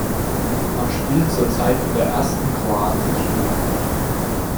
Man spielt zurzeit in der ersten kroatischen Liga.